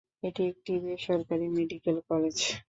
এটি একটি বেসরকারি মেডিকেল কলেজ।